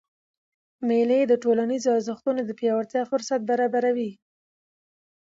مېلې د ټولنیزو ارزښتونو د پیاوړتیا فُرصت برابروي.